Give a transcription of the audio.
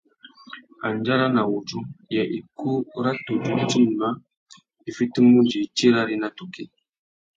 Andjara na wudjú : yê ikú râ tudju tïma i fitimú udjï tirari na tukí ?